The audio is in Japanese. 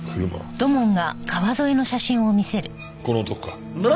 この男か？